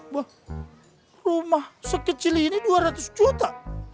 wah rumah sekecil ini dua ratus juta